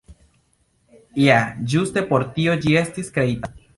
Ja ĝuste por tio ĝi estis kreita.